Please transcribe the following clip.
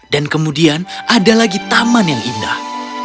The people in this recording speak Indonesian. dan kemudian ada lagi taman yang indah